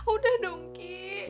udah dong ki